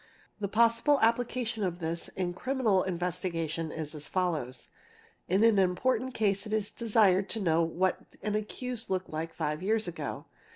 The possible application of this in crimi © nal investigation is as follows. In an important case it is desired to | know what an accused looked like five years ago.